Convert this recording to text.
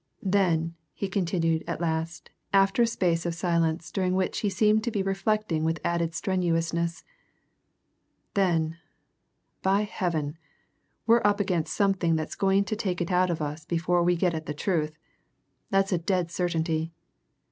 "Then," he continued at last, after a space of silence, during which he seemed to be reflecting with added strenuousness "then, by Heaven! we're up against something that's going to take it out of us before we get at the truth. That's a dead certainty.